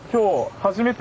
初めて。